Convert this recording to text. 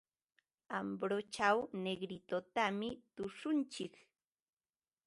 Ambochaw Negritotami tushuntsik.